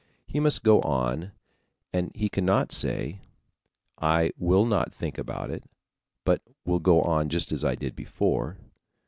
He must go on and he cannot say: I will not think about it, but will go on just as I did before.